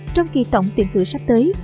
trong tổng tuyển thự sắp tới